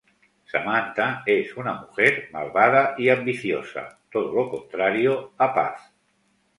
Samantha es una mujer malvada y ambiciosa, todo lo contrario a Paz.